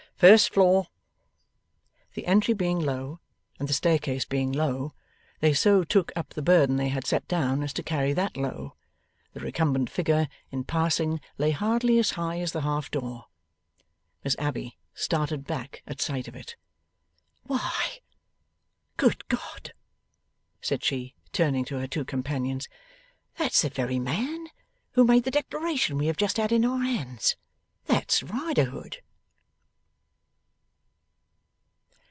'First floor.' The entry being low, and the staircase being low, they so took up the burden they had set down, as to carry that low. The recumbent figure, in passing, lay hardly as high as the half door. Miss Abbey started back at sight of it. 'Why, good God!' said she, turning to her two companions, 'that's the very man who made the declaration we have just had in our hands. That's Riderhood!